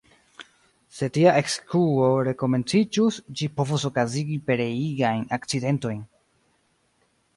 Se tia ekskuo rekomenciĝus, ĝi povus okazigi pereigajn akcidentojn.